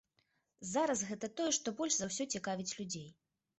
Зараз гэта тое, што больш за ўсё цікавіць людзей.